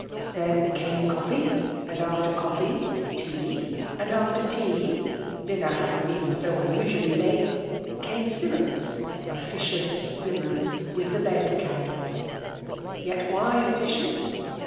Then came coffee^ and after coffee^ tea; and after tea, (dinner having been so unusually late,) came Simmons — officious Simmons ! with the bed candles. Yet why officious